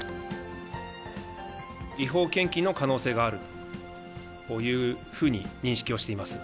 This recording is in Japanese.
違法献金の可能性があるというふうに認識をしています。